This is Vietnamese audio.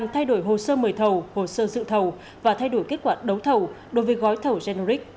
thay đổi hồ sơ mời thầu hồ sơ dự thầu và thay đổi kết quả đấu thầu đối với gói thầu generic